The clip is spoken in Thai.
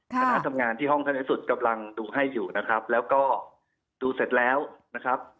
คณะทำงานที่ห้องท่านที่สุดกำลังดูให้อยู่นะครับแล้วก็ดูเสร็จแล้วนะครับ